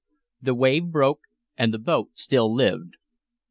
The wave broke, and the boat still lived.